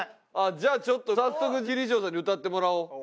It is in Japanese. じゃあちょっと早速キリショーさんに歌ってもらおう。